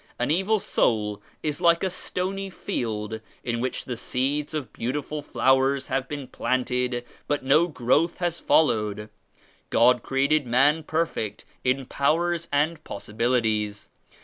An evil soul is like a stony field in which the seeds of beautiful flowers have been planted but no growth has followed. God created man per jfect in powers and possibilities.